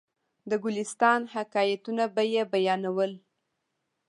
د ګلستان حکایتونه به یې بیانول.